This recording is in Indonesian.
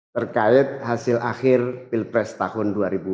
terkait hasil akhir pilpres tahun dua ribu dua puluh